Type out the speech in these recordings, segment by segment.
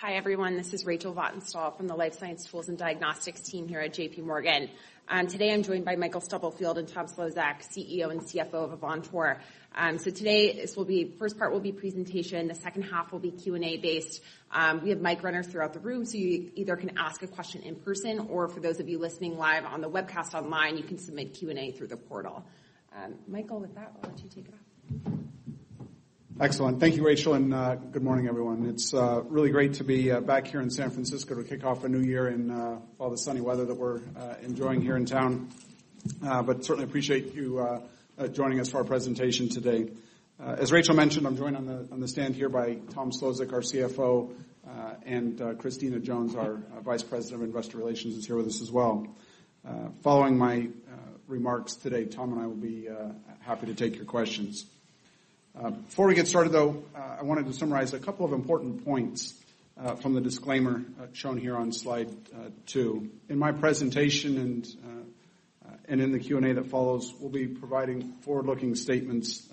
Hi everyone, this is Rachel Vatnsdal from the Life Science Tools and Diagnostics team here at J.P. Morgan. Today I'm joined by Michael Stubblefield and Tom Szlosek, CEO and CFO of Avantor. Today, the first part will be presentation, the second half will be Q&A based. We have mic runners throughout the room, you either can ask a question in person or for those of you listening live on the webcast online, you can submit Q&A through the portal. Michael, with that, why don't you take it off? Excellent. Thank you, Rachel. Good morning, everyone. It's really great to be back here in San Francisco to kick off a new year and all the sunny weather that we're enjoying here in town. Certainly appreciate you joining us for our presentation today. As Rachel mentioned, I'm joined on the stand here by Tom Szlosek, our CFO, and Christina Jones, our Vice President of Investor Relations is here with us as well. Following my remarks today, Tom and I will be happy to take your questions. Before we get started, though, I wanted to summarize a couple of important points from the disclaimer shown here on slide two. In my presentation and in the Q&A that follows, we'll be providing forward-looking statements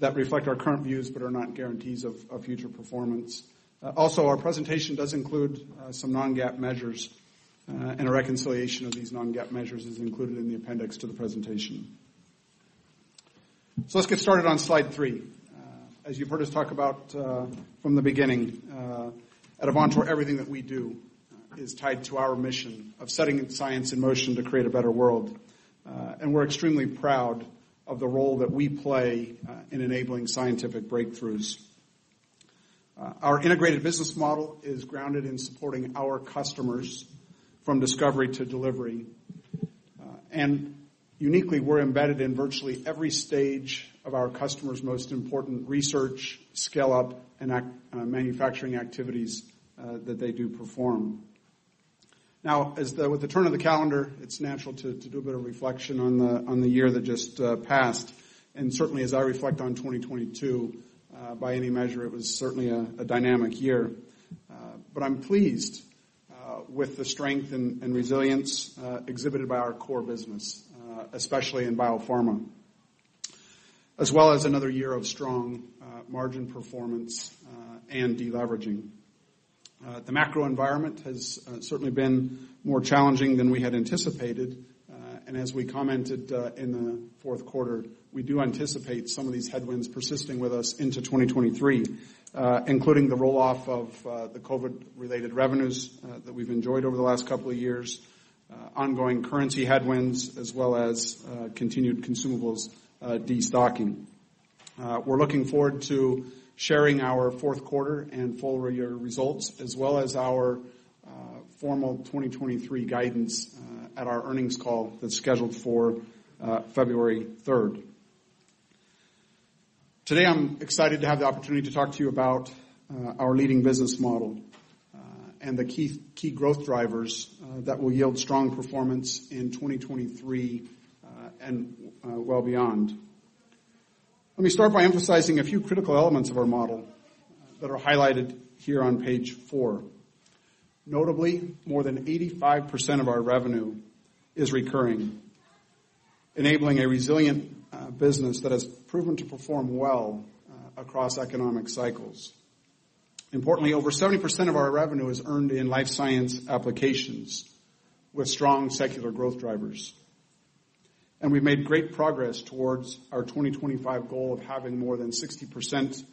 that reflect our current views but are not guarantees of future performance. Also, our presentation does include some non-GAAP measures, and a reconciliation of these non-GAAP measures is included in the appendix to the presentation. Let's get started on slide 3. As you've heard us talk about, from the beginning, at Avantor, everything that we do is tied to our mission of setting science in motion to create a better world. And we're extremely proud of the role that we play in enabling scientific breakthroughs. Our integrated business model is grounded in supporting our customers from discovery to delivery. Uniquely, we're embedded in virtually every stage of our customers' most important research, scale-up, manufacturing activities that they do perform. Now, with the turn of the calendar, it's natural to do a bit of reflection on the year that just passed. Certainly as I reflect on 2022, by any measure, it was certainly a dynamic year. I'm pleased with the strength and resilience exhibited by our core business, especially in biopharma, as well as another year of strong margin performance and deleveraging. The macro environment has certainly been more challenging than we had anticipated. As we commented, in the fourth quarter, we do anticipate some of these headwinds persisting with us into 2023, including the roll-off of the COVID-related revenues that we've enjoyed over the last couple of years, ongoing currency headwinds, as well as continued consumables destocking. We're looking forward to sharing our fourth quarter and full year results, as well as our formal 2023 guidance, at our earnings call that's scheduled for February 3rd. Today, I'm excited to have the opportunity to talk to you about our leading business model and the key growth drivers that will yield strong performance in 2023 and well beyond. Let me start by emphasizing a few critical elements of our model that are highlighted here on page 4. Notably, more than 85% of our revenue is recurring, enabling a resilient business that has proven to perform well across economic cycles. Importantly, over 70% of our revenue is earned in Life Science Applications with strong secular growth drivers. We've made great progress towards our 2025 goal of having more than 60%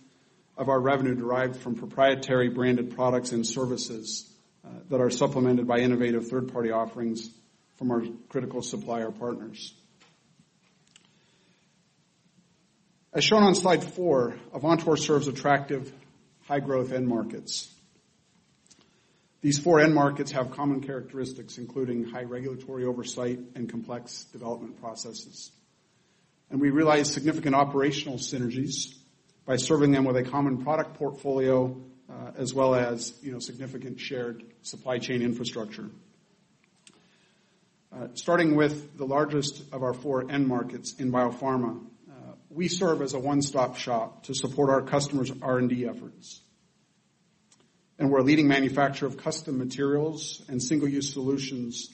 of our revenue derived from proprietary branded products and services that are supplemented by innovative third-party offerings from our critical supplier partners. As shown on slide 4, Avantor serves attractive high-growth end markets. These four end markets have common characteristics, including high regulatory oversight and complex development processes. We realize significant operational synergies by serving them with a common product portfolio, as well as, you know, significant shared supply chain infrastructure. Starting with the largest of our four end markets in biopharma, we serve as a one-stop-shop to support our customers' R&D efforts. We're a leading manufacturer of custom materials and single-use solutions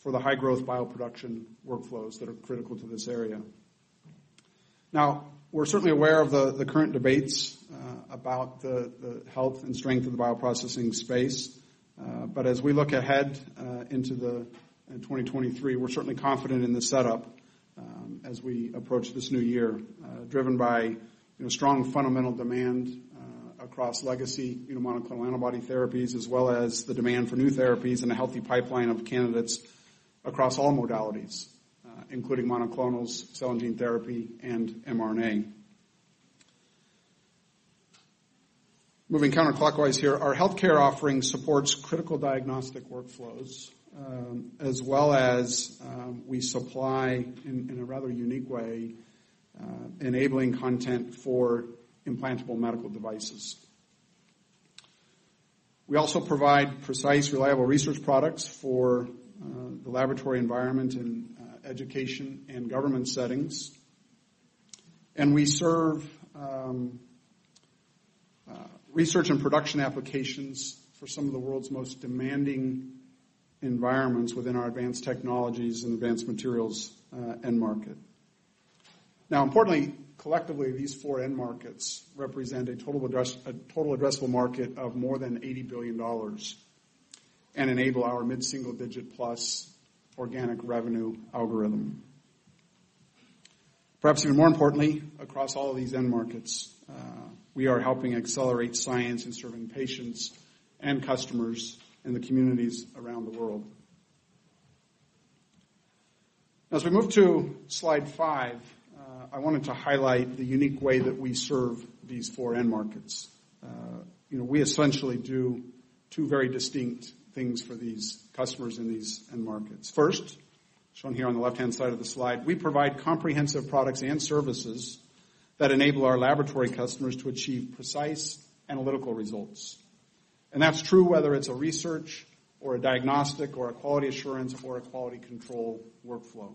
for the high-growth bioproduction workflows that are critical to this area. We're certainly aware of the current debates about the health and strength of the bioprocessing space. As we look ahead in 2023, we're certainly confident in the setup as we approach this new year, driven by, you know, strong fundamental demand across legacy, you know, monoclonal antibody therapies, as well as the demand for new therapies and a healthy pipeline of candidates across all modalities, including monoclonals, cell and gene therapy, and mRNA. Moving counterclockwise here, our healthcare offering supports critical diagnostic workflows, as well as, we supply in a rather unique way, enabling content for implantable medical devices. We also provide precise, reliable research products for the laboratory environment and education and government settings. We serve research and production applications for some of the world's most demanding environments within our advanced technologies and advanced materials end market. Importantly, collectively, these four end markets represent a total addressable market of more than $80 billion and enable our mid-single-digit plus organic revenue algorithm. Perhaps even more importantly, across all of these end markets, we are helping accelerate science and serving patients and customers in the communities around the world. As we move to slide five, I wanted to highlight the unique way that we serve these four end markets. You know, we essentially do two very distinct things for these customers in these end markets. First, shown here on the left-hand side of the slide, we provide comprehensive products and services that enable our laboratory customers to achieve precise analytical results. That's true whether it's a research, or a diagnostic, or a quality assurance, or a quality control workflow.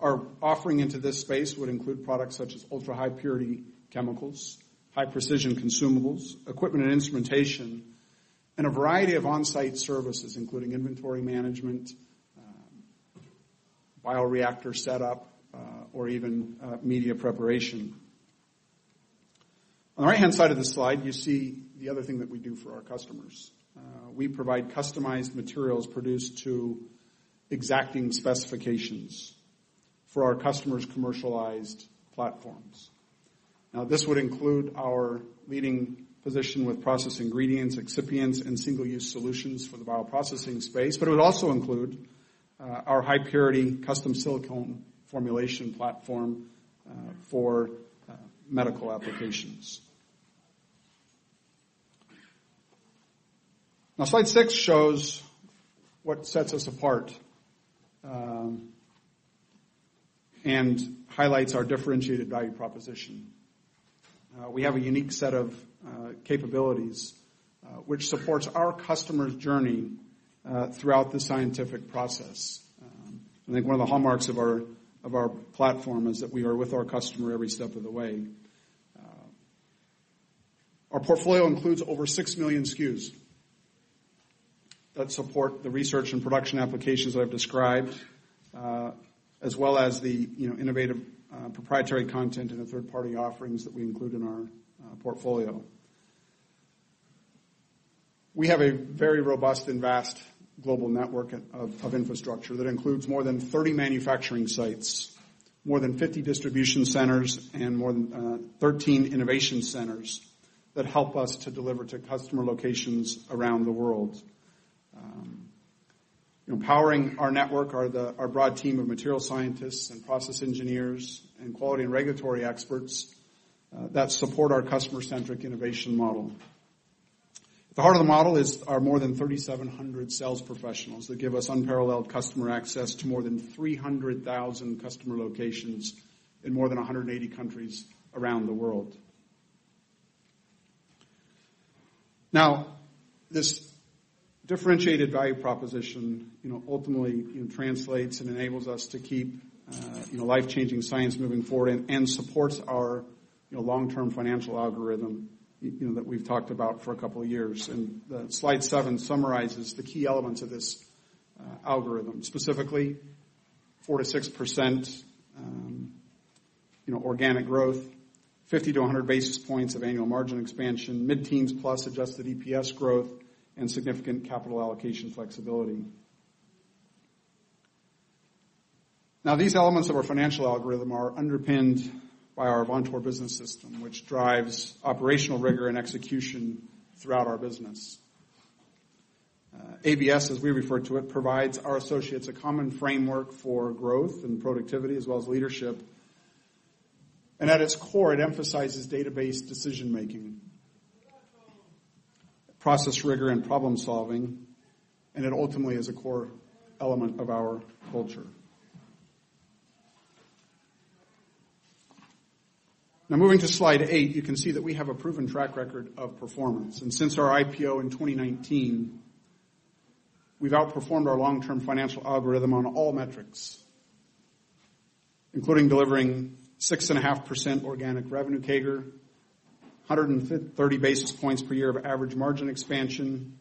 Our offering into this space would include products such as ultra-high purity chemicals, high-precision consumables, equipment and instrumentation, and a variety of on-site services, including inventory management, bioreactor setup, or even media preparation. On the right-hand side of the slide, you see the other thing that we do for our customers. We provide customized materials produced to exacting specifications for our customers' commercialized platforms. This would include our leading position with process ingredients, excipients, and single-use solutions for the bioprocessing space, but it would also include our high purity custom silicone formulation platform for medical applications. Slide 6 shows what sets us apart and highlights our differentiated value proposition. We have a unique set of capabilities which supports our customer's journey throughout the scientific process. I think one of the hallmarks of our platform is that we are with our customer every step of the way. Our portfolio includes over 6 million SKUs that support the research and production applications that I've described, as well as the, you know, innovative, proprietary content and the third-party offerings that we include in our portfolio. We have a very robust and vast global network of infrastructure that includes more than 30 manufacturing sites, more than 50 distribution centers, and more than 13 innovation centers that help us to deliver to customer locations around the world. Empowering our network are our broad team of material scientists, and process engineers, and quality and regulatory experts that support our customer-centric innovation model. The heart of the model is our more than 3,700 sales professionals that give us unparalleled customer access to more than 300,000 customer locations in more than 180 countries around the world. This differentiated value proposition, you know, ultimately, you know, translates and enables us to keep, you know, life-changing science moving forward and supports our, you know, long-term financial algorithm, you know, that we've talked about for a couple of years. The slide 7 summarizes the key elements of this algorithm, specifically 4%-6%, you know, organic growth, 50-100 basis points of annual margin expansion, mid-teens+ adjusted EPS growth, and significant capital allocation flexibility. These elements of our financial algorithm are underpinned by our Avantor Business System, which drives operational rigor and execution throughout our business. ABS, as we refer to it, provides our associates a common framework for growth and productivity as well as leadership. At its core, it emphasizes database decision-making, process rigor, and problem-solving, and it ultimately is a core element of our culture. Moving to slide eight, you can see that we have a proven track record of performance. Since our IPO in 2019, we've outperformed our long-term financial algorithm on all metrics, including delivering 6.5% organic revenue CAGR, 130 basis points per year of average margin expansion,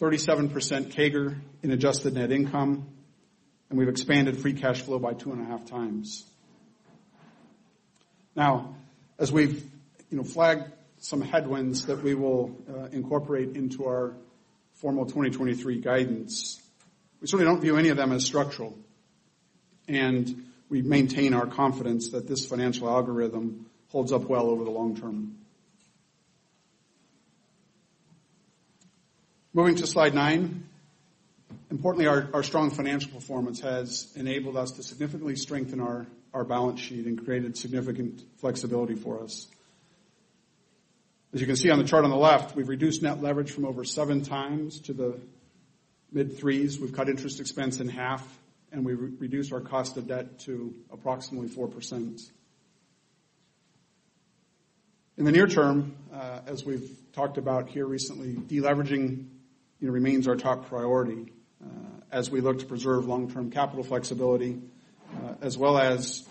37% CAGR in adjusted net income, and we've expanded free cash flow by 2.5 times. As we've, you know, flagged some headwinds that we will incorporate into our formal 2023 guidance, we certainly don't view any of them as structural, and we maintain our confidence that this financial algorithm holds up well over the long term. Moving to slide nine. Importantly, our strong financial performance has enabled us to significantly strengthen our balance sheet and created significant flexibility for us. As you can see on the chart on the left, we've reduced net leverage from over 7x to the mid 3s. We've cut interest expense in half, and we reduced our cost of debt to approximately 4%. In the near term, as we've talked about here recently, deleveraging, you know, remains our top priority, as we look to preserve long-term capital flexibility, as well as,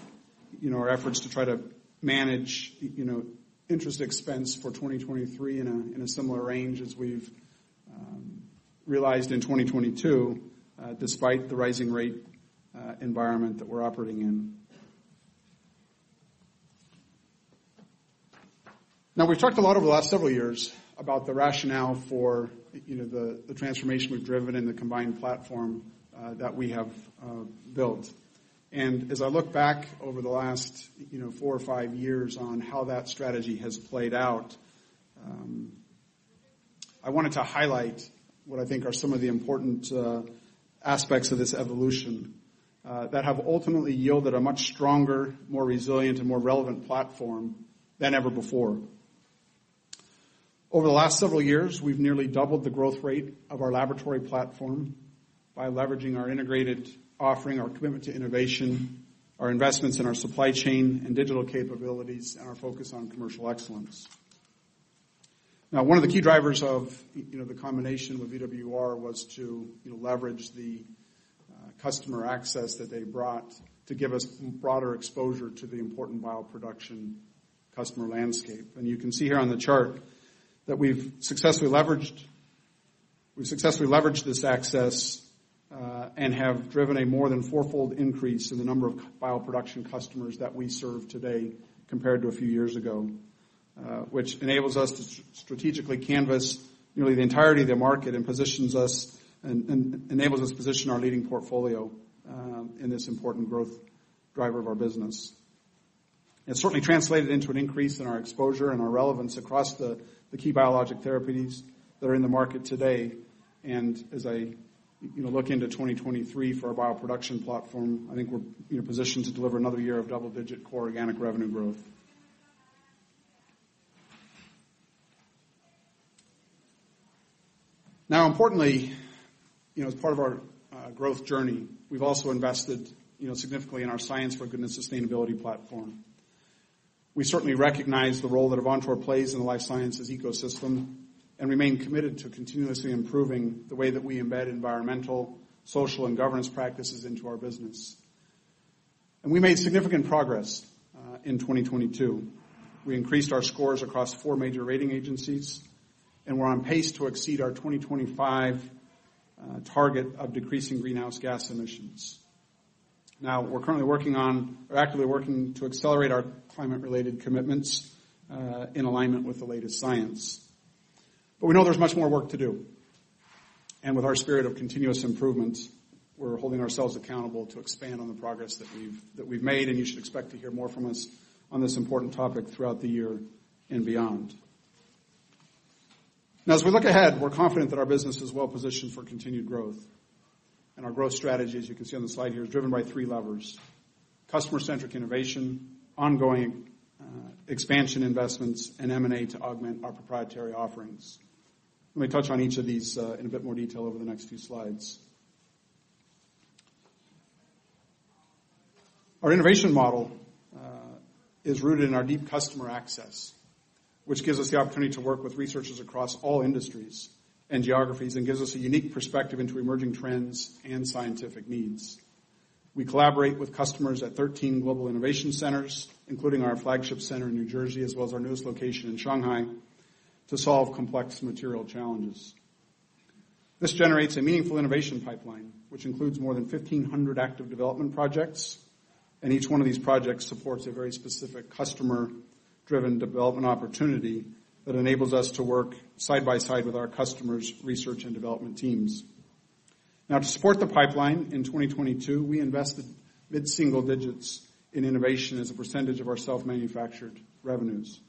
you know, our efforts to try to manage, you know, interest expense for 2023 in a similar range as we've realized in 2022, despite the rising rate environment that we're operating in. Now, we've talked a lot over the last several years about the rationale for, you know, the transformation we've driven and the combined platform that we have built. As I look back over the last, you know, four or five years on how that strategy has played out, I wanted to highlight what I think are some of the important aspects of this evolution that have ultimately yielded a much stronger, more resilient, and more relevant platform than ever before. Over the last several years, we've nearly doubled the growth rate of our laboratory platform by leveraging our integrated offering, our commitment to innovation, our investments in our supply chain and digital capabilities, and our focus on commercial excellence. Now, one of the key drivers of you know, the combination with VWR was to, you know, leverage the customer access that they brought to give us broader exposure to the important bioproduction customer landscape. You can see here on the chart that we've successfully leveraged this access and have driven a more than fourfold increase in the number of bioproduction customers that we serve today compared to a few years ago, which enables us to strategically canvas nearly the entirety of the market and positions us and enables us to position our leading portfolio in this important growth driver of our business. It certainly translated into an increase in our exposure and our relevance across the key biologic therapies that are in the market today. As I, you know, look into 2023 for our bioproduction platform, I think we're, you know, positioned to deliver another year of double-digit core organic revenue growth. Now importantly, you know, as part of our growth journey, we've also invested, you know, significantly in our Science for Goodness sustainability platform. We certainly recognize the role that Avantor plays in the life sciences ecosystem and remain committed to continuously improving the way that we embed environmental, social, and governance practices into our business. We made significant progress in 2022. We increased our scores across four major rating agencies, and we're on pace to exceed our 2025 target of decreasing greenhouse gas emissions. Now, we're currently actively working to accelerate our climate-related commitments in alignment with the latest science. We know there's much more work to do. With our spirit of continuous improvement, we're holding ourselves accountable to expand on the progress that we've made, and you should expect to hear more from us on this important topic throughout the year and beyond. Now as we look ahead, we're confident that our business is well positioned for continued growth. Our growth strategy, as you can see on the slide here, is driven by three levers: customer-centric innovation, ongoing expansion investments, and M&A to augment our proprietary offerings. Let me touch on each of these in a bit more detail over the next few slides. Our innovation model is rooted in our deep customer access, which gives us the opportunity to work with researchers across all industries and geographies, and gives us a unique perspective into emerging trends and scientific needs. We collaborate with customers at 13 global innovation centers, including our flagship center in New Jersey, as well as our newest location in Shanghai, to solve complex material challenges. This generates a meaningful innovation pipeline, which includes more than 1,500 active development projects, and each one of these projects supports a very specific customer-driven development opportunity that enables us to work side by side with our customers' research and development teams. Now to support the pipeline in 2022, we invested mid-single digits in innovation as a % of our self-manufactured revenues.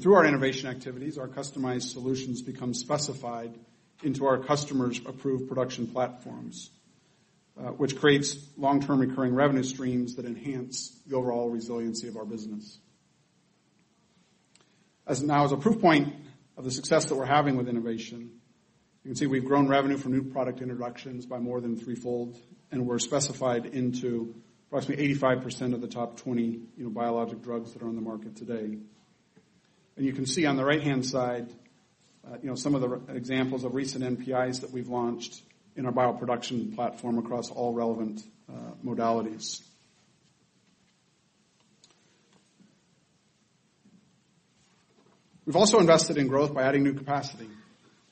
Through our innovation activities, our customized solutions become specified into our customers' approved production platforms, which creates long-term recurring revenue streams that enhance the overall resiliency of our business. Now as a proof point of the success that we're having with innovation, you can see we've grown revenue from new product introductions by more than threefold, and we're specified into approximately 85% of the top 20, you know, biologic drugs that are on the market today. You can see on the right-hand side, you know, some of the examples of recent NPIs that we've launched in our bioproduction platform across all relevant modalities. We've also invested in growth by adding new capacity,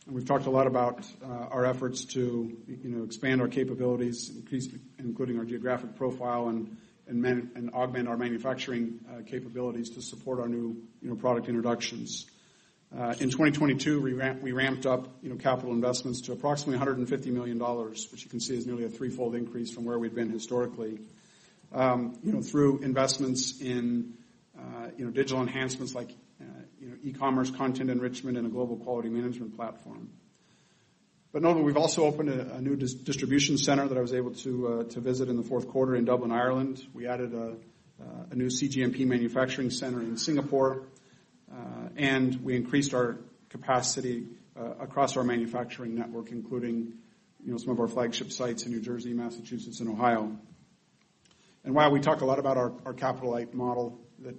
and we've talked a lot about our efforts to, you know, expand our capabilities, including our geographic profile and augment our manufacturing capabilities to support our new, you know, product introductions. In 2022, we ramped up, you know, capital investments to approximately $150 million, which you can see is nearly a threefold increase from where we've been historically, you know, through investments in, you know, digital enhancements like, e-commerce, content enrichment, and a global quality management platform. Know that we've also opened a new distribution center that I was able to visit in the fourth quarter in Dublin, Ireland. We added a new cGMP manufacturing center in Singapore, and we increased our capacity across our manufacturing network, including, you know, some of our flagship sites in New Jersey, Massachusetts, and Ohio. While we talk a lot about our capital-light model that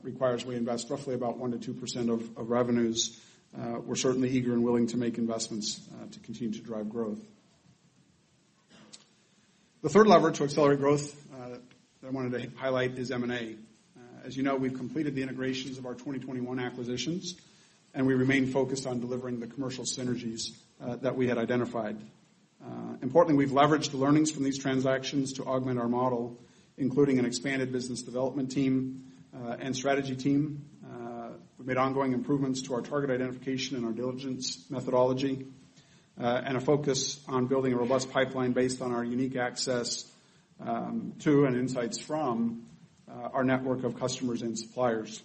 requires we invest roughly about 1%-2% of revenues, we're certainly eager and willing to make investments to continue to drive growth. The third lever to accelerate growth that I wanted to highlight is M&A. As you know, we've completed the integrations of our 2021 acquisitions, and we remain focused on delivering the commercial synergies that we had identified. Importantly, we've leveraged the learnings from these transactions to augment our model, including an expanded business development team and strategy team. We've made ongoing improvements to our target identification and our diligence methodology and a focus on building a robust pipeline based on our unique access to and insights from our network of customers and suppliers.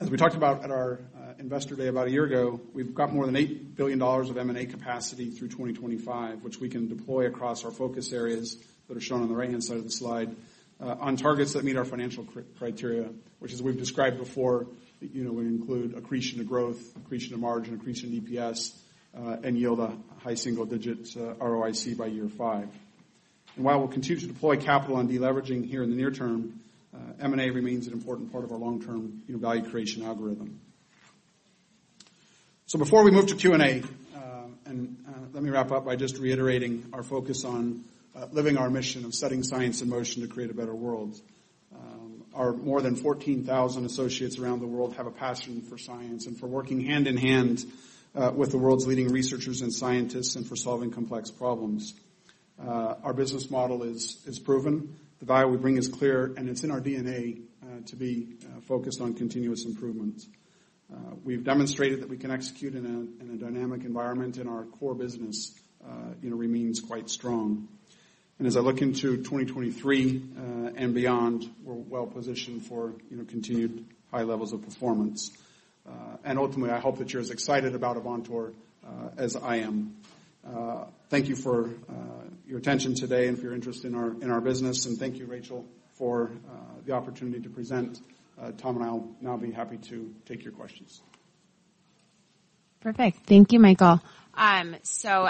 As we talked about at our investor day about a year ago, we've got more than $8 billion of M&A capacity through 2025, which we can deploy across our focus areas that are shown on the right-hand side of the slide, on targets that meet our financial criteria, which, as we've described before, you know, would include accretion to growth, accretion to margin, accretion to EPS, and yield a high single digits ROIC by year 5. While we'll continue to deploy capital on deleveraging here in the near term, M&A remains an important part of our long-term value creation algorithm. Before we move to Q&A, let me wrap up by just reiterating our focus on living our mission of setting science in motion to create a better world. Our more than 14,000 associates around the world have a passion for science and for working hand-in-hand with the world's leading researchers and scientists and for solving complex problems. Our business model is proven. The value we bring is clear, and it's in our DNA to be focused on continuous improvement. We've demonstrated that we can execute in a dynamic environment, and our core business, you know, remains quite strong. As I look into 2023 and beyond, we're well-positioned for, you know, continued high levels of performance. Ultimately, I hope that you're as excited about Avantor as I am. Thank you for your attention today and for your interest in our business. Thank you, Rachel, for the opportunity to present. Tom and I'll now be happy to take your questions. Perfect. Thank you, Michael.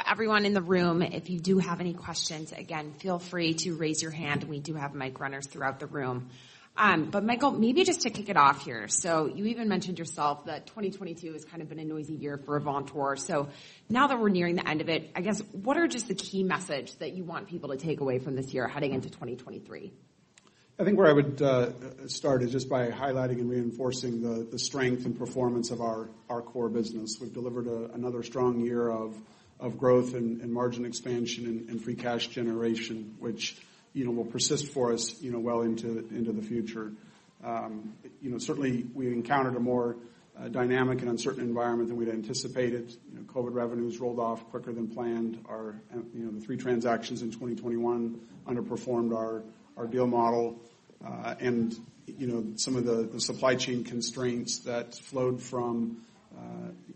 Everyone in the room, if you do have any questions, again, feel free to raise your hand. We do have mic runners throughout the room. Michael, maybe just to kick it off here. You even mentioned yourself that 2022 has kind of been a noisy year for Avantor. Now that we're nearing the end of it, I guess, what are just the key message that you want people to take away from this year heading into 2023? I think where I would start is just by highlighting and reinforcing the strength and performance of our core business. We've delivered another strong year of growth and margin expansion and free cash generation, which, you know, will persist for us, you know, well into the future. You know, certainly we encountered a more dynamic and uncertain environment than we'd anticipated. You know, COVID revenues rolled off quicker than planned. Our, you know, the three transactions in 2021 underperformed our deal model. You know, some of the supply chain constraints that flowed from,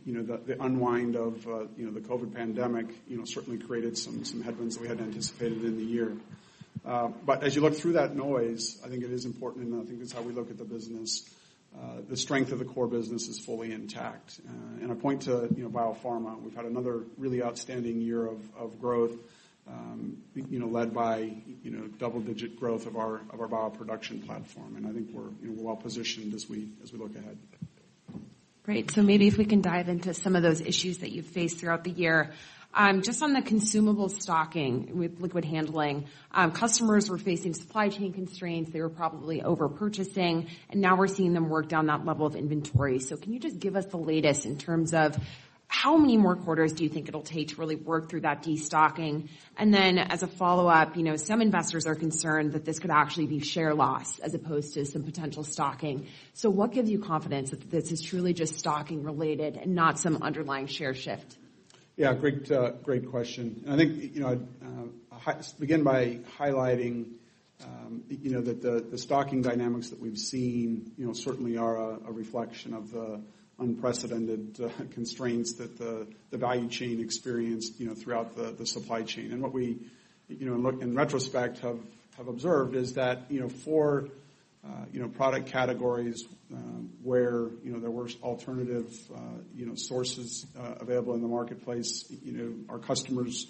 you know, the unwind of, you know, the COVID pandemic, you know, certainly created some headwinds that we hadn't anticipated in the year. As you look through that noise, I think it is important, and I think it's how we look at the business. The strength of the core business is fully intact. I point to, you know, biopharma. We've had another really outstanding year of growth, you know, led by, you know, double-digit growth of our, of our bioproduction platform. I think we're, you know, we're well positioned as we, as we look ahead. Great. Maybe if we can dive into some of those issues that you've faced throughout the year. Just on the consumable stocking with liquid handling, customers were facing supply chain constraints, they were probably over-purchasing, and now we're seeing them work down that level of inventory. Can you just give us the latest in terms of how many more quarters do you think it'll take to really work through that destocking? As a follow-up, you know, some investors are concerned that this could actually be share loss as opposed to some potential stocking. What gives you confidence that this is truly just stocking related and not some underlying share shift? Yeah, great question. I think, you know, I begin by highlighting, you know, that the stocking dynamics that we've seen, you know, certainly are a reflection of the unprecedented constraints that the value chain experienced, you know, throughout the supply chain. What we, you know, in retrospect, have observed is that, you know, for, you know, product categories, where, you know, there was alternative, you know, sources available in the marketplace, you know, our customers,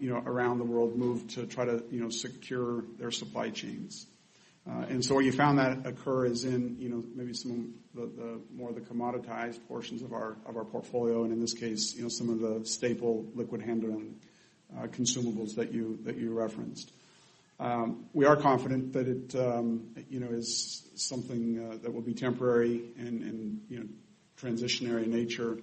you know, around the world moved to try to, you know, secure their supply chains. Where you found that occur is in, you know, maybe some of the more the commoditized portions of our, of our portfolio, and in this case, you know, some of the staple liquid handling consumables that you, that you referenced. We are confident that it, you know, is something that will be temporary and, you know, transitionary in nature.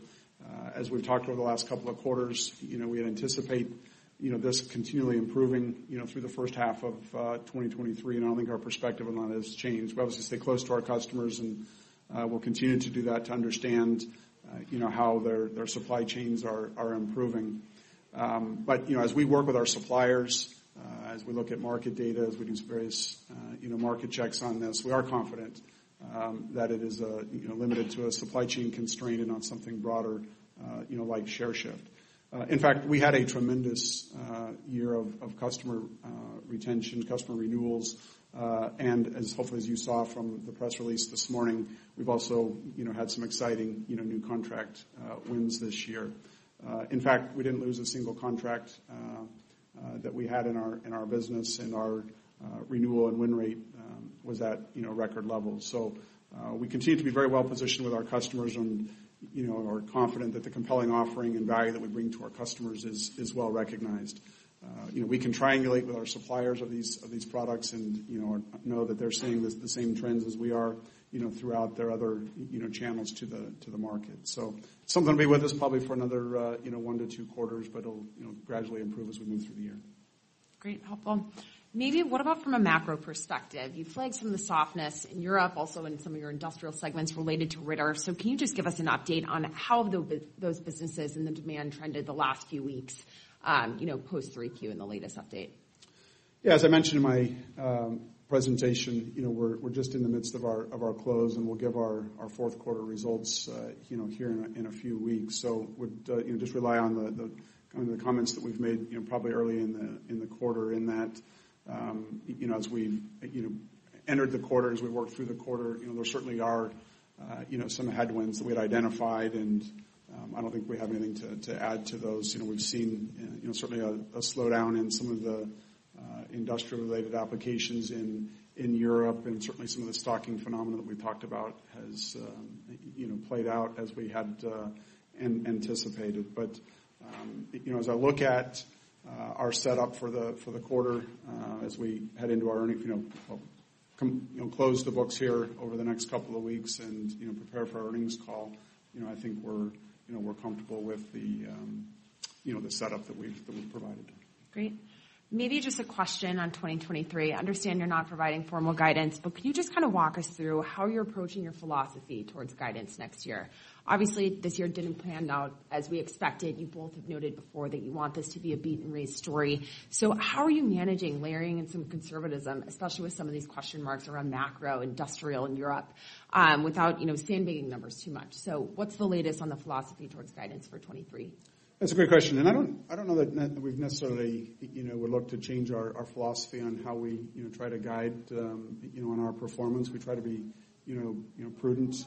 As we've talked over the last couple of quarters, you know, we anticipate, you know, this continually improving, you know, through the first half of 2023, and I don't think our perspective on that has changed. We obviously stay close to our customers, and we'll continue to do that to understand, you know, how their supply chains are improving. You know, as we work with our suppliers, as we look at market data, as we do various, you know, market checks on this, we are confident that it is, you know, limited to a supply chain constraint and not something broader, you know, like share shift. In fact, we had a tremendous year of customer retention, customer renewals, and as hopefully as you saw from the press release this morning, we've also, you know, had some exciting, you know, new contract wins this year. In fact, we didn't lose a single contract that we had in our business, and our renewal and win rate was at, you know, record levels. We continue to be very well-positioned with our customers and, you know, are confident that the compelling offering and value that we bring to our customers is well-recognized. You know, we can triangulate with our suppliers of these, of these products and, you know that they're seeing the same trends as we are, you know, throughout their other, you know, channels to the, to the market. Something to be with us probably for another, you know one-two quarters, but it'll, you know, gradually improve as we move through the year. Great, helpful. Maybe what about from a macro perspective? You flagged some of the softness in Europe, also in some of your industrial segments related to Ritter. Can you just give us an update on how those businesses and the demand trended the last few weeks, you know, post 3Q in the latest update? Yeah, as I mentioned in my presentation, you know, we're just in the midst of our close, and we'll give our fourth quarter results, you know, here in a few weeks. Would, you know, just rely on the kind of the comments that we've made, you know, probably early in the quarter in that, you know, as we, you know, entered the quarter, as we worked through the quarter, you know, there certainly are, you know, some headwinds that we had identified, and, I don't think we have anything to add to those. You know, we've seen, you know, certainly a slowdown in some of the industrial related applications in Europe, and certainly some of the stocking phenomena that we talked about has, you know, played out as we had anticipated. You know, as I look at our setup for the quarter, as we head into our earnings, you know, close the books here over the next couple of weeks and, you know, prepare for our earnings call, you know, I think we're, you know, we're comfortable with the, you know, the setup that we've provided. Great. Maybe just a question on 2023. I understand you're not providing formal guidance, but can you just kind of walk us through how you're approaching your philosophy towards guidance next year? Obviously, this year didn't pan out as we expected. You both have noted before that you want this to be a beat and raise story. How are you managing layering in some conservatism, especially with some of these question marks around macro, industrial and Europe, without, you know, sandbagging numbers too much. What's the latest on the philosophy towards guidance for 2023? That's a great question. I don't know that we've necessarily, you know, would look to change our philosophy on how we, you know, try to guide, you know, on our performance. We try to be, you know, prudent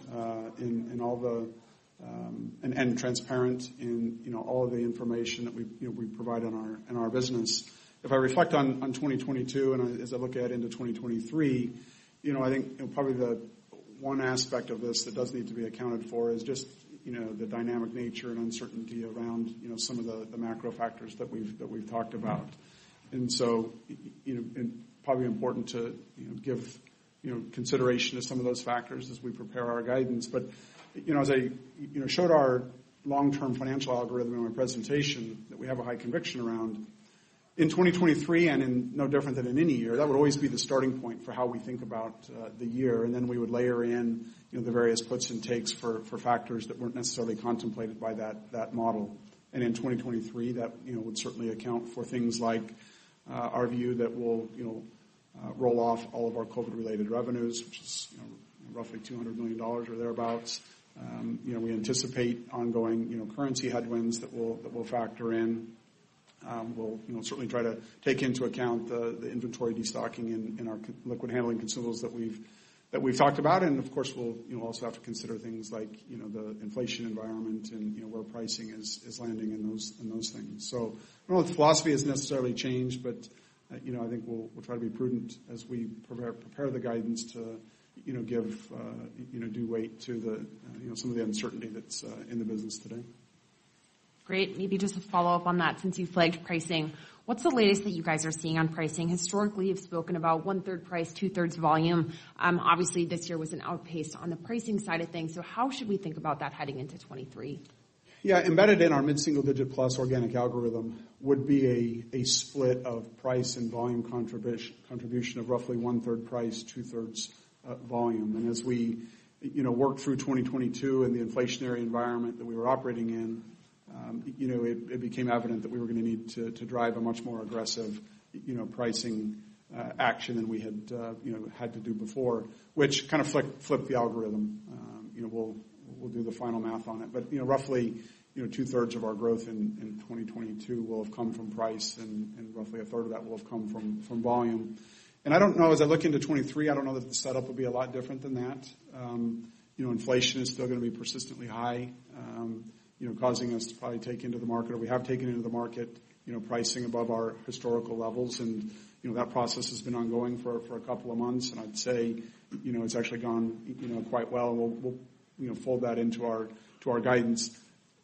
and transparent in, you know, all of the information that we, you know, we provide in our, in our business. If I reflect on 2022 as I look ahead into 2023, you know, I think, you know, probably the one aspect of this that does need to be accounted for is just, you know, the dynamic nature and uncertainty around, you know, some of the macro factors that we've talked about. You know, and probably important to, you know, give, you know, consideration to some of those factors as we prepare our guidance. You know, as I, you know, showed our long-term financial algorithm in my presentation that we have a high conviction around, in 2023 and in no different than in any year, that would always be the starting point for how we think about the year. Then we would layer in, you know, the various puts and takes for factors that weren't necessarily contemplated by that model. In 2023, that, you know, would certainly account for things like our view that we'll, you know, roll off all of our COVID related revenues, which is, you know, roughly $200 million or thereabouts. You know, we anticipate ongoing, you know, currency headwinds that we'll factor in. We'll, you know, certainly try to take into account the inventory destocking in our liquid handling consumables that we've talked about. Of course, we'll, you know, also have to consider things like, you know, the inflation environment and, you know, where pricing is landing in those things. I don't know if the philosophy has necessarily changed, but, you know, I think we'll try to be prudent as we prepare the guidance to, you know, give, you know, due weight to the, you know, some of the uncertainty that's in the business today. Great. Maybe just a follow-up on that since you flagged pricing. What's the latest that you guys are seeing on pricing? Historically, you've spoken about one-third price, two-thirds volume. obviously this year was an outpace on the pricing side of things. How should we think about that heading into 2023? Yeah. Embedded in our mid-single-digit-plus organic algorithm would be a split of price and volume contribution of roughly one-third price, two-thirds volume. As we, you know, work through 2022 and the inflationary environment that we were operating in, you know, it became evident that we were gonna need to drive a much more aggressive, you know, pricing action than we had, you know, had to do before, which kind of flipped the algorithm. You know, we'll do the final math on it, you know, roughly, you know, two-thirds of our growth in 2022 will have come from price and roughly a third of that will have come from volume. I don't know, as I look into 2023, I don't know that the setup will be a lot different than that. You know, inflation is still gonna be persistently high, you know, causing us to probably take into the market, or we have taken into the market, you know, pricing above our historical levels. That process has been ongoing for a couple of months, and I'd say, you know, it's actually gone, you know, quite well. We'll, you know, fold that into our, to our guidance.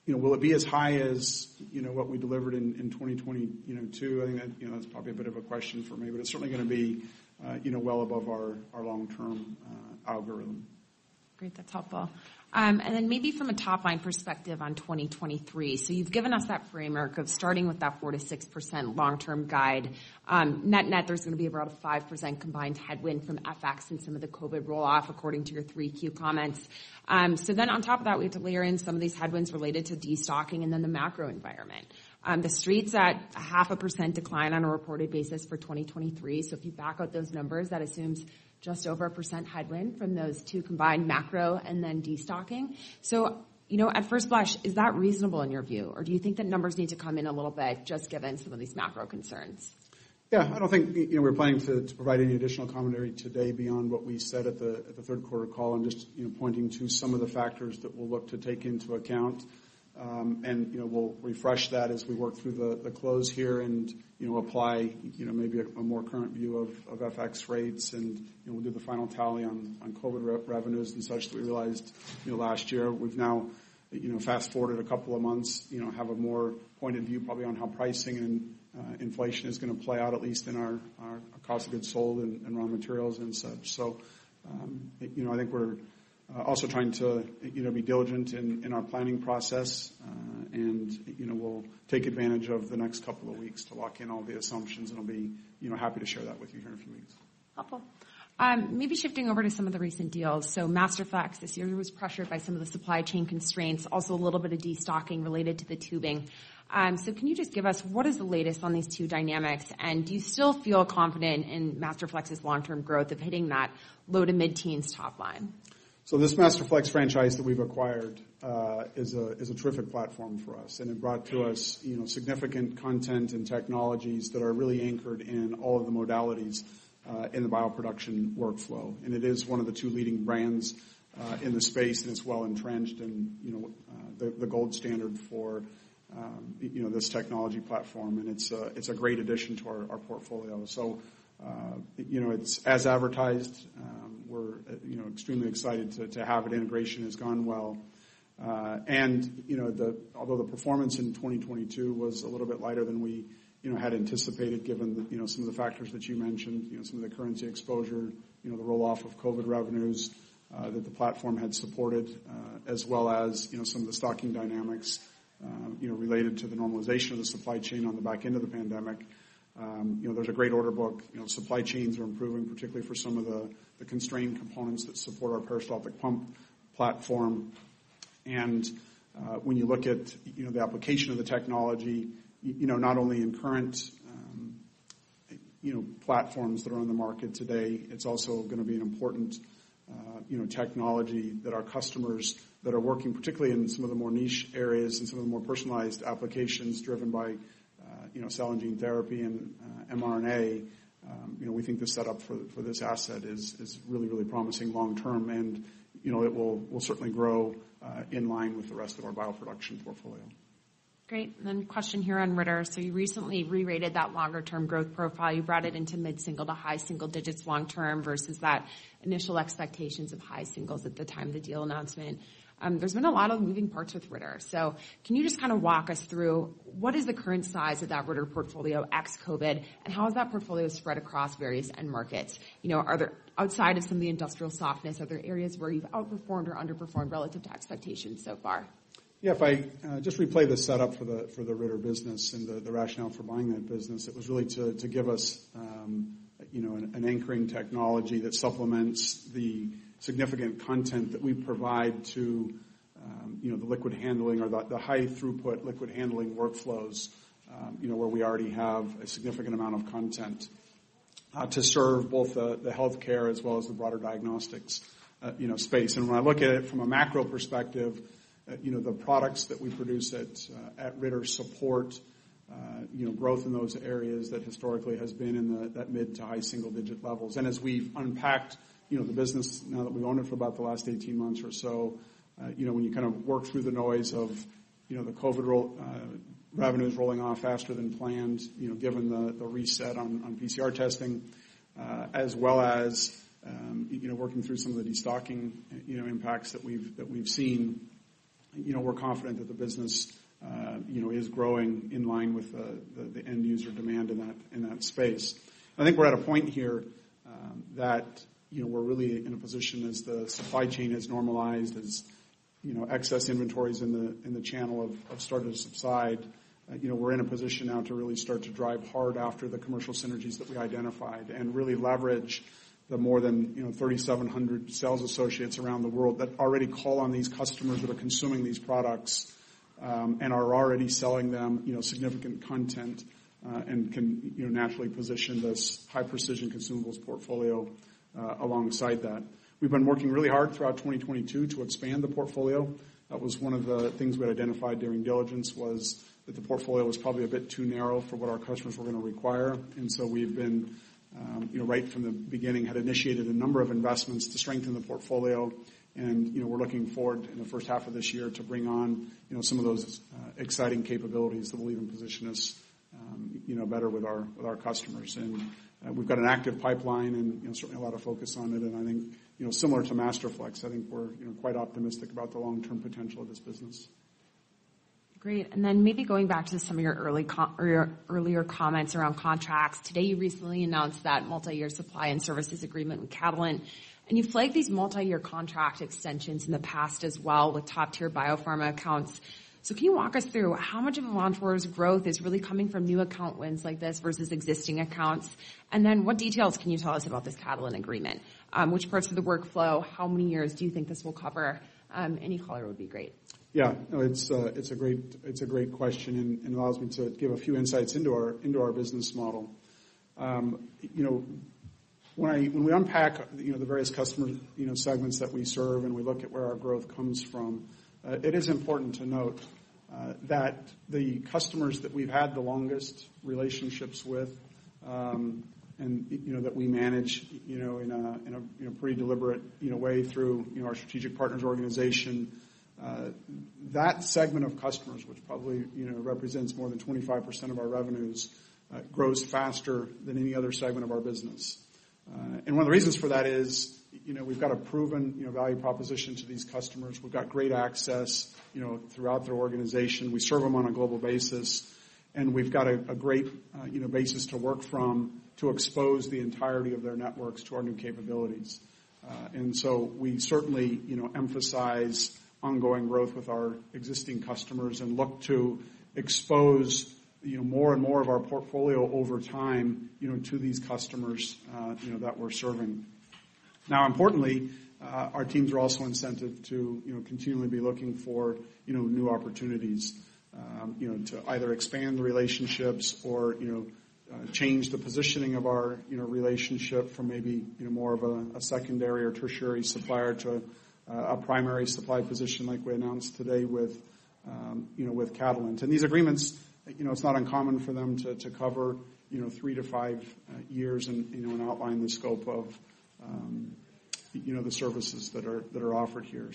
You know, will it be as high as, you know, what we delivered in 2022? I think that, you know, that's probably a bit of a question for me, but it's certainly gonna be, you know, well above our long-term algorithm. Great. That's helpful. Maybe from a top line perspective on 2023, you've given us that framework of starting with that 4%-6% long-term guide. Net-net, there's gonna be about a 5% combined headwind from FX and some of the COVID roll-off according to your 3Q comments. On top of that, we have to layer in some of these headwinds related to destocking and then the macro environment. The street's at 0.5% decline on a reported basis for 2023. If you back out those numbers, that assumes just over a 1% headwind from those two combined macro and then destocking. You know, at first blush, is that reasonable in your view, or do you think the numbers need to come in a little bit just given some of these macro concerns? Yeah, I don't think, you know, we're planning to provide any additional commentary today beyond what we said at the, at the third quarter call and just, you know, pointing to some of the factors that we'll look to take into account. You know, we'll refresh that as we work through the close here and, you know, apply, you know, maybe a more current view of FX rates and, you know, we'll do the final tally on COVID re-revenues and such that we realized, you know, last year. We've now, you know, fast-forwarded a couple of months, you know, have a more pointed view probably on how pricing and inflation is gonna play out at least in our cost of goods sold and raw materials and such. You know, I think we're also trying to, you know, be diligent in our planning process. You know, we'll take advantage of the next couple of weeks to lock in all the assumptions, and I'll be, you know, happy to share that with you here in a few weeks. Helpful. Maybe shifting over to some of the recent deals. Masterflex this year was pressured by some of the supply chain constraints, also a little bit of destocking related to the tubing. Can you just give us what is the latest on these two dynamics? Do you still feel confident in Masterflex's long-term growth of hitting that low- to mid-teens top line? This Masterflex franchise that we've acquired is a terrific platform for us, and it brought to us, you know, significant content and technologies that are really anchored in all of the modalities in the bioproduction workflow. It is one of the two leading brands in the space, and it's well entrenched and, you know, the gold standard for, you know, this technology platform, and it's a great addition to our portfolio. You know, it's as advertised, we're, you know, extremely excited to have it. Integration has gone well. The performance in 2022 was a little bit lighter than we, you know, had anticipated given the, you know, some of the factors that you mentioned, you know, some of the currency exposure, you know, the roll-off of COVID revenues that the platform had supported, as well as, you know, some of the stocking dynamics, you know, related to the normalization of the supply chain on the back end of the pandemic. You know, there's a great order book. You know, supply chains are improving, particularly for some of the constrained components that support our peristaltic pump platform. When you look at, you know, the application of the technology, you know, not only in current, you know, platforms that are on the market today, it's also gonna be an important, you know, technology that our customers that are working particularly in some of the more niche areas and some of the more personalized applications driven by, you know, Cell and Gene Therapy and mRNA. You know, we think the setup for this asset is really, really promising long term, and, you know, it will certainly grow in line with the rest of our bioproduction portfolio. Great. Question here on Ritter. You recently rerated that longer-term growth profile. You brought it into mid-single to high single digits long term versus that initial expectations of high singles at the time of the deal announcement. There's been a lot of moving parts with Ritter. Can you just kinda walk us through what is the current size of that Ritter portfolio ex-COVID, and how is that portfolio spread across various end markets? You know, outside of some of the industrial softness, are there areas where you've outperformed or underperformed relative to expectations so far? Yeah. If I just replay the setup for the Ritter business and the rationale for buying that business, it was really to give us, you know, an anchoring technology that supplements the significant content that we provide to, you know, the liquid handling or the high-throughput liquid handling workflows, you know, where we already have a significant amount of content to serve both the healthcare as well as the broader diagnostics, you know, space. When I look at it from a macro perspective, you know, the products that we produce at Ritter support, you know, growth in those areas that historically has been that mid- to high single-digit levels. As we've unpacked, you know, the business now that we've owned it for about the last 18 months or so, you know, when you kind of work through the noise of, you know, the COVID revenues rolling off faster than planned, you know, given the reset on PCR testing, as well as, you know, working through some of the destocking, you know, impacts that we've seen. You know, we're confident that the business, you know, is growing in line with the end user demand in that, in that space. I think we're at a point here, that, you know, we're really in a position as the supply chain has normalized, as, you know, excess inventories in the channel have started to subside. You know, we're in a position now to really start to drive hard after the commercial synergies that we identified and really leverage the more than 3,700 sales associates around the world that already call on these customers that are consuming these products, and are already selling them, you know, significant content, and can, you know, naturally position this high-precision consumables portfolio alongside that. We've been working really hard throughout 2022 to expand the portfolio. That was one of the things we had identified during diligence was that the portfolio was probably a bit too narrow for what our customers were gonna require. We've been, you know, right from the beginning, had initiated a number of investments to strengthen the portfolio. You know, we're looking forward in the first half of this year to bring on, you know, some of those exciting capabilities that will even position us, you know, better with our, with our customers. We've got an active pipeline and, you know, certainly a lot of focus on it. I think, you know, similar to Masterflex, I think we're, you know, quite optimistic about the long-term potential of this business. Great. Maybe going back to some of your earlier comments around contracts. Today, you recently announced that multi-year supply and services agreement with Catalent, and you flagged these multi-year contract extensions in the past as well with top-tier biopharma accounts. Can you walk us through how much of Avantor's growth is really coming from new account wins like this versus existing accounts? What details can you tell us about this Catalent agreement? Which parts of the workflow? How many years do you think this will cover? Any color would be great. Yeah. No, it's a great, it's a great question and allows me to give a few insights into our business model. You know, when we unpack, you know, the various customer, you know, segments that we serve and we look at where our growth comes from, it is important to note that the customers that we've had the longest relationships with, and you know, that we manage, you know, in a, you know, pretty deliberate, you know, way through, you know, our strategic partners organization, that segment of customers, which probably, you know, represents more than 25% of our revenues, grows faster than any other segment of our business. One of the reasons for that is, you know, we've got a proven, you know, value proposition to these customers. We've got great access, you know, throughout their organization. We serve them on a global basis, and we've got a great, you know, basis to work from to expose the entirety of their networks to our new capabilities. We certainly, you know, emphasize ongoing growth with our existing customers and look to expose, you know, more and more of our portfolio over time, you know, to these customers, you know, that we're serving. Now, importantly, our teams are also incented to, you know, continually be looking for, you know, new opportunities, you know, to either expand the relationships or, you know, change the positioning of our, you know, relationship from maybe, you know, more of a secondary or tertiary supplier to a primary supply position like we announced today with, you know, with Catalent. These agreements, you know, it's not uncommon for them to cover, you know, three to five years and, you know, and outline the scope of, you know, the services that are offered here.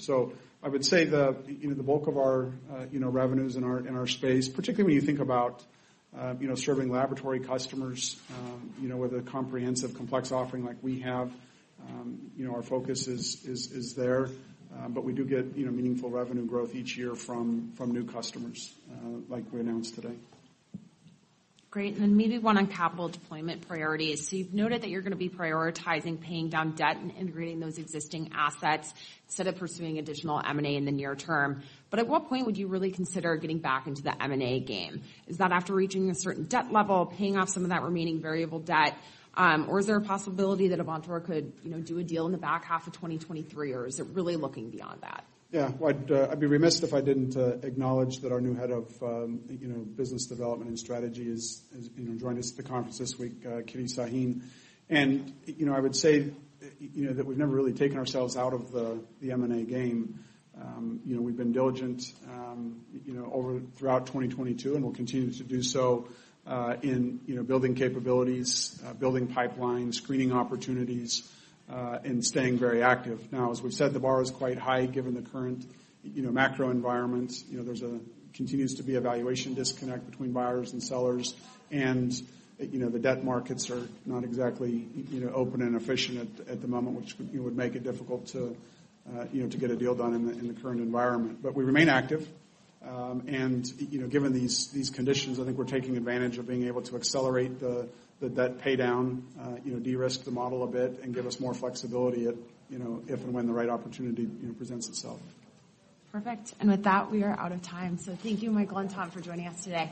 I would say the, you know, the bulk of our, you know, revenues in our space, particularly when you think about, you know, serving laboratory customers, you know, with a comprehensive complex offering like we have, you know, our focus is there. We do get, you know, meaningful revenue growth each year from new customers, like we announced today. Great. Then maybe one on capital deployment priorities. You've noted that you're gonna be prioritizing paying down debt and integrating those existing assets instead of pursuing additional M&A in the near term. At what point would you really consider getting back into the M&A game? Is that after reaching a certain debt level, paying off some of that remaining variable debt? Or is there a possibility that Avantor could, you know, do a deal in the back half of 2023 or is it really looking beyond that? Yeah, well I'd be remiss if I didn't acknowledge that our new head of, you know, business development and strategy is, you know, joining us at the conference this week, Kitty Sahin. You know, I would say, you know, that we've never really taken ourselves out of the M&A game. You know, we've been diligent, you know, throughout 2022 and we'll continue to do so, in, you know, building capabilities, building pipelines, screening opportunities, and staying very active. Now, as we've said, the bar is quite high given the current, you know, macro environment. You know, there's a continues to be a valuation disconnect between buyers and sellers. You know, the debt markets are not exactly, you know, open and efficient at the moment, which would make it difficult to, you know, to get a deal done in the current environment. We remain active. You know, given these conditions, I think we're taking advantage of being able to accelerate the debt pay down, you know, de-risk the model a bit and give us more flexibility at, you know, if and when the right opportunity, you know, presents itself. Perfect. With that, we are out of time. Thank you, Michael and Tom for joining us today.